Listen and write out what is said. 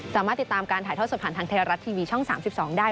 สามารถติดตามการถ่ายทอดสดผ่านทางไทยรัฐทีวีช่อง๓๒ได้